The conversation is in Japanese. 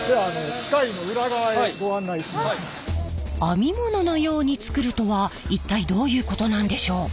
編み物のように作るとは一体どういうことなんでしょう？